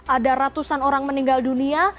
ada ratusan orang meninggal dunia